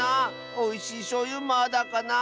おいしいしょうゆまだかなあ。